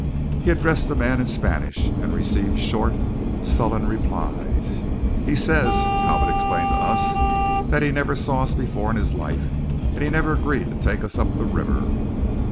He addressed the man in Spanish, and received short, sullen replies. "He says," Talbot explained to us, "that he never saw us before in his life, and never agreed to take us up the river."